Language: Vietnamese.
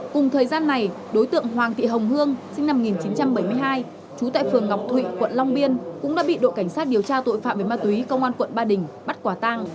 cùng thời gian này đối tượng hoàng thị hồng hương sinh năm một nghìn chín trăm bảy mươi hai trú tại phường ngọc thụy quận long biên cũng đã bị đội cảnh sát điều tra tội phạm về ma túy công an quận ba đình bắt quả tang